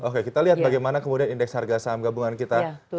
oke kita lihat bagaimana kemudian indeks harga saham gabungan kita